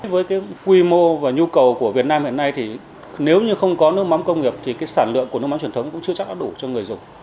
với cái quy mô và nhu cầu của việt nam hiện nay thì nếu như không có nước mắm công nghiệp thì sản lượng của nước mắm truyền thống cũng chưa chắc đã đủ cho người dùng